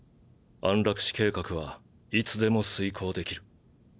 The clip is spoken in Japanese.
安楽死計画はいつでも遂行できる。